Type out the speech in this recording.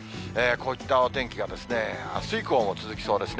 こういったお天気があす以降も続きそうですね。